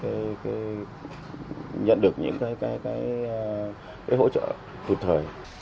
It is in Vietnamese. thì mình có thể nhận được những cái hỗ trợ vượt thời